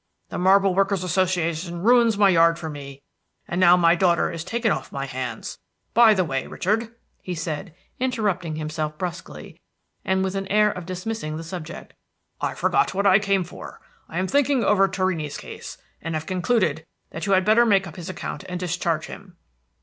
The Marble Workers' Association ruins my yard for me, and now my daughter is taken off my hands. By the way, Richard," he said, interrupting himself brusquely, and with an air of dismissing the subject, "I forgot what I came for. I've been thinking over Torrini's case, and have concluded that you had better make up his account and discharge him."